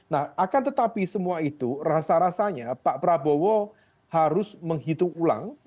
nah akan tetapi semua itu rasa rasanya pak prabowo harus menghitung ulang